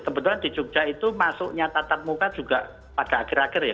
kebetulan di jogja itu masuknya tatap muka juga pada akhir akhir ya